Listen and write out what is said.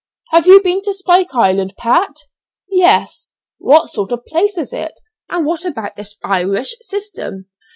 "Have you been to Spike Island, Pat?" "Yes." "What sort of place is it, and what about this Irish system?"